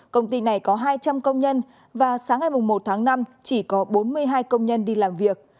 công ty này có hai trăm linh công nhân và sáng ngày một tháng năm chỉ có bốn mươi hai công nhân đi làm việc